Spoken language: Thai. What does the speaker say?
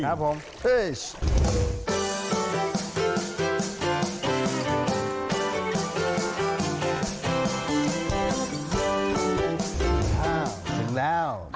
ถึงแล้ว